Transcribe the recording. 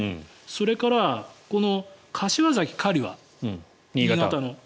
それから、柏崎刈羽、新潟の。